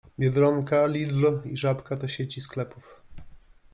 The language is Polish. Biedronka, Lidl i Żabka to sieci sklepów.